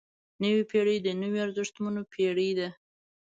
نوې پېړۍ د نویو ارزښتونو پېړۍ ده.